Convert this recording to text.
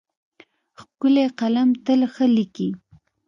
ښکلی قلم تل ښه لیکي.